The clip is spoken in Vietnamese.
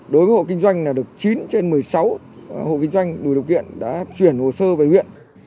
đối với hộ kinh doanh được chín trên một mươi sáu hộ kinh doanh đủ điều kiện đã chuyển hồ sơ về huyện